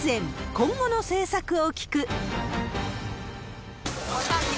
今後の政策を聞く。